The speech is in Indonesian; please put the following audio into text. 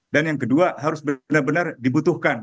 dan yang kedua harus benar benar dibutuhkan